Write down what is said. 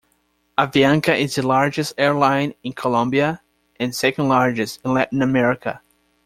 Avianca is the largest airline in Colombia and second largest in Latin America.